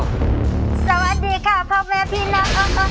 สวัสดีค่ะพ่อแม่ผู้จำ